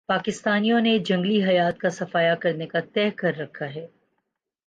پاکستانیوں نے جنگلی حیات کا صفایا کرنے کا تہیہ کر رکھا ہے